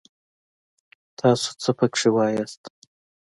تاڅو څه پکې واياست!